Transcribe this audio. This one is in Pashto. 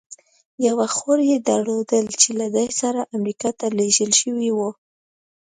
یوه خور یې درلوده، چې له ده سره امریکا ته لېږل شوې وه.